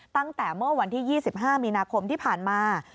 ตั้งแต่เมื่อวันที่๒๕มีนาคมที่ผ่านมา